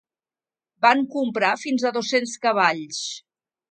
Van comprar fins a dos-cents cavalls.